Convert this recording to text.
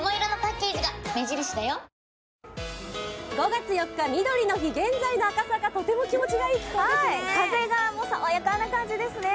５月４日みどりの日、現在の赤坂、とても気持ちがいい気候ですね。